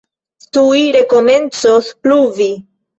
Tuj rekomencos pluvi.